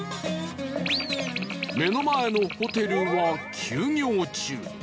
目の前のホテルは休業中